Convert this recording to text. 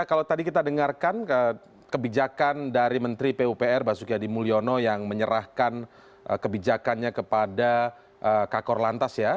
kalau tadi kita dengarkan kebijakan dari menteri pupr basuki adi mulyono yang menyerahkan kebijakannya kepada kakor lantas ya